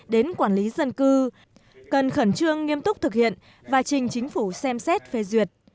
đến quản lý dân cư cần khẩn trương nghiêm túc thực hiện và trình chính phủ xem xét phê duyệt